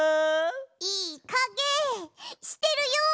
いいかげしてるよ！